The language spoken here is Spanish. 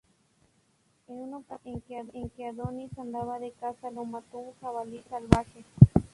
En una ocasión en que Adonis andaba de caza, lo mató un jabalí salvaje.